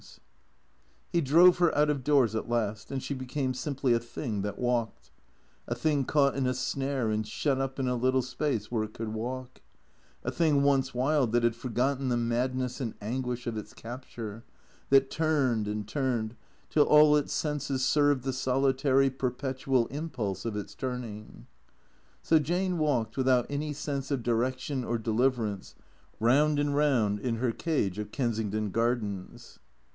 109 110 THECEEATOES He drove her out of doors at last, and she became simply a thing that walked; a thing caught in a snare and shut up in a little space where it could walk; a thing once wild that had forgotten the madness and anguish of its capture, that turned and turned, till all its senses served the solitary, perpetual im pulse of its turning. So Jane walked, without any sense of direction or deliver ance, round and round in her cage of Kensington Gardens.